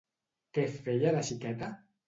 Què feia de xiqueta?